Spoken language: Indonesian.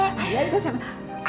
ayah juga sama sama